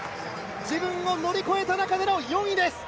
自分を乗り越えた中での４位です。